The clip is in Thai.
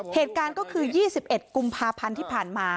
เหตุการณ์ก็คือ๒๑กุมภาพันธ์ที่ผ่านมา